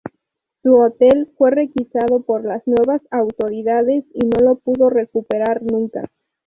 Su hotel fue requisado por las nuevas autoridades y no lo pudo recuperar nunca.